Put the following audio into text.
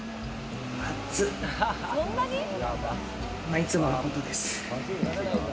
いつものことです。